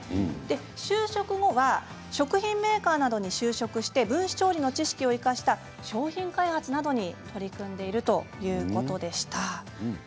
就職後は食品メーカーなどに就職して分子調理の知識を生かした商品開発などに取り組んでいるということでした。